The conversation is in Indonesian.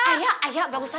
ayah ayah bagus aja